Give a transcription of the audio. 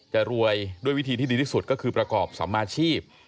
จะรวยด้วยวิธีที่ดีที่สุดก็คือประกอบสัมมาชีพ